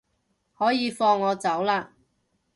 可以放我走喇